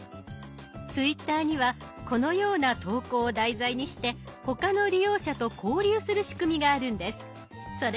ツイッターにはこのような投稿を題材にして他の利用者と交流する仕組みがあるんです。